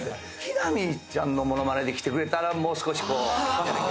木南ちゃんの物まねできてくれたらもう少しこう。